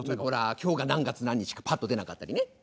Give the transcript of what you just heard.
ほら今日が何月何日かパッと出なかったりね。